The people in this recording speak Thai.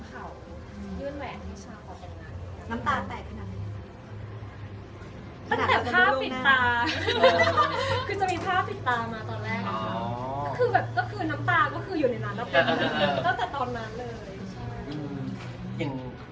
คือแบบก็คือน้ำตาก็คืออยู่ในนั้นแล้ว